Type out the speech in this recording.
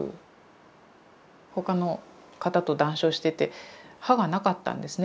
他の方と談笑してて歯がなかったんですね。